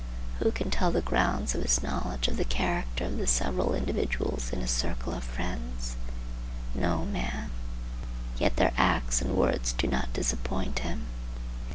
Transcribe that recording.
Who can tell the grounds of his knowledge of the character of the several individuals in his circle of friends? No man. Yet their acts and words do not disappoint him.